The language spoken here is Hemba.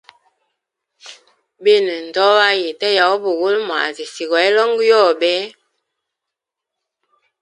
Binwe ndoa yite ya ubugula mwazi si gwa hilongo yobe.